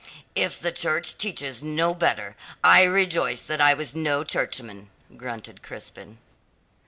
"If the Church teaches no better I rejoice that I was no churchman," grunted Crispin.